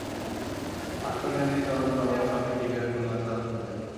আত্মজ্ঞানীর চলন-বলন সবই জীবের কল্যাণসাধণ করে।